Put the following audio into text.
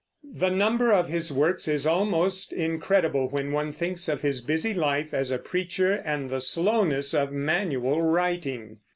The number of his works is almost incredible when one thinks of his busy life as a preacher and the slowness of manual writing.